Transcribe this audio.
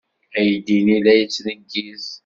Aydi-nni la yettneggiz.